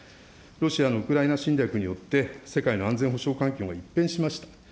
ロシアのウクライナ侵略によって、世界の安全保障環境が一変しました。